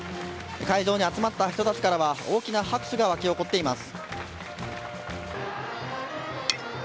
会場に集まった人たちからは大きな拍手が沸き起こっています。